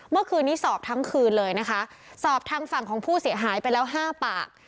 เมื่อคืนนี้สอบทั้งคืนเลยนะคะสอบทางฝั่งของผู้เสียหายไปแล้วห้าปาก